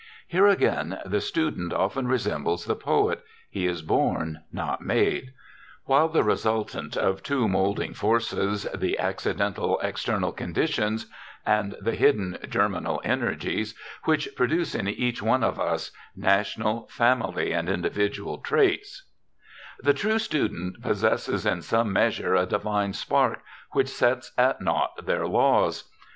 Here again the student often resembles the poet he is born, not made. While the resultant of two molding forces, the accidental, external conditions, and the hidden germinal energies, which produce in each one of us national, family, and individual traits, the true student possesses in some measure a divine spark which sets at naught their laws.